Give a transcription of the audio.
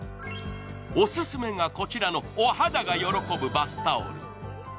オススメがこちらのお肌がよろこぶバスタオル。